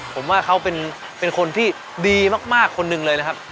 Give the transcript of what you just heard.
ผมว่าเขาเป็นคนที่ดีมากคนหนึ่งเลยนะครับ